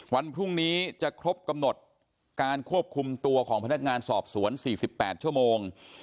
วันพรุ่งนี้จะครบกำหนดการควบคุมตัวของพนักงานสอบสวน๔๘ชั่วโมง